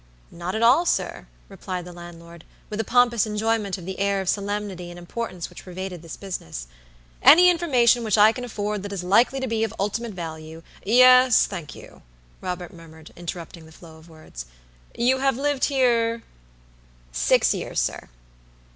"Not at all, sir," replied the landlord, with a pompous enjoyment of the air of solemnity and importance which pervaded this business. "Any information which I can afford that is likely to be of ultimate value" "Yes, thank you," Robert murmured, interrupting the flow of words. "You have lived here" "Six years, sir."